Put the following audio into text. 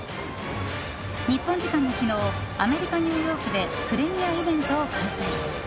日本時間の昨日アメリカ・ニューヨークでプレミアイベントを開催。